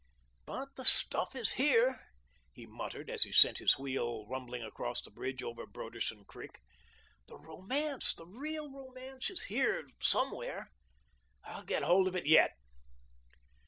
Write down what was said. "But the stuff is HERE," he muttered, as he sent his wheel rumbling across the bridge over Broderson Creek. "The romance, the real romance, is here somewhere. I'll get hold of it yet."